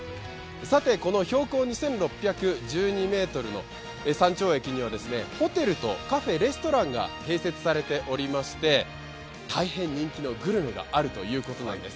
さて、この標高２６１２ｍの山頂駅にはホテルとカフェ・レストランが併設されていまして、大変人気のグルメがあるということなんです。